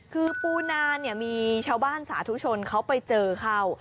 คือปูนาเนี่ยมีชาวบ้านสาธุชนเขาไปเจอเข้า